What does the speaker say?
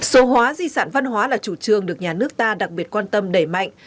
số hóa di sản văn hóa là chủ trương được nhà nước ta đặc biệt quan tâm đẩy mạnh